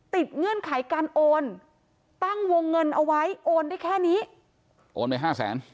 เงื่อนไขการโอนตั้งวงเงินเอาไว้โอนได้แค่นี้โอนไปห้าแสน